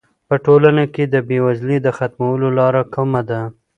په ټولنه کې د بې وزلۍ د ختمولو لاره کومه ده؟